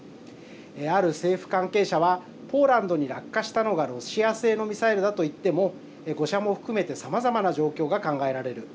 ある政府関係者はポーランドに落下したのがロシア製のミサイルだと言っても誤射も含めてさまざまな状況が考えられる。